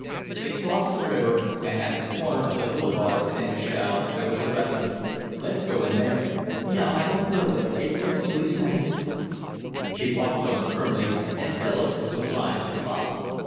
They crossed the river, and at the corner of the Boulevard St. Michel there was a restaurant. "Let's go in there." "No, I won't go there, it looks too expensive." She walked on firmly, and Philip was obliged to follow.